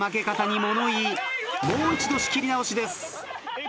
もう一度仕切り直しです。